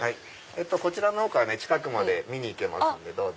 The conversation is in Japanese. こちらのほうから近くまで見に行けますんでどうぞ。